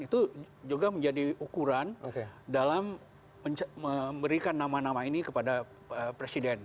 itu juga menjadi ukuran dalam memberikan nama nama ini kepada presiden